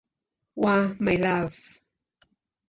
wa "My Love".